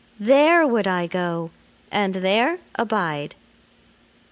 There would I go and there abide."